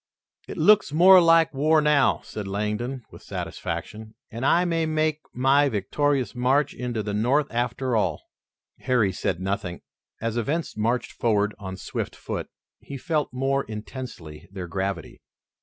"It looks more like war now," said Langdon, with satisfaction, "and I may make my victorious march into the North after all." Harry said nothing. As events marched forward on swift foot, he felt more intensely their gravity.